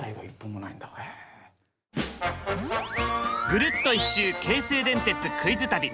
ぐるっと１周京成電鉄クイズ旅。